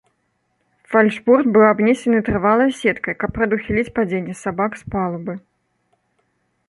Фальшборт быў абнесены трывалай сеткай, каб прадухіліць падзенне сабак з палубы.